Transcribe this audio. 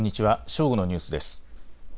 正午のニュースです。